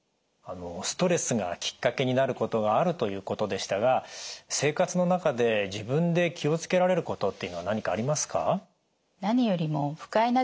ストレスがきっかけになることがあるということでしたが生活の中で自分で気を付けられることっていうのは何かありますか？